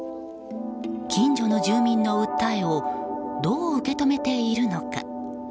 近所の住民の訴えをどう受け止めているのか。